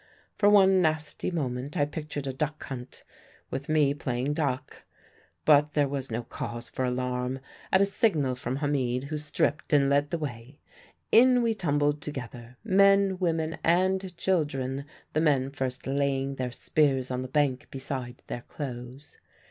For one nasty moment I pictured a duck hunt, with me playing duck. But there was no cause for alarm. At a signal from Hamid, who stripped and led the way, in we tumbled together men, women, and children the men first laying their spears on the bank beside their clothes.